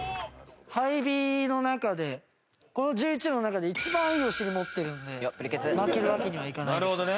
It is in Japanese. この１１人の中で一番いいお尻持ってるんで負けるわけにはいかないです。